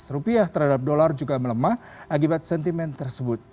rupiah terhadap dolar juga melemah akibat sentimen tersebut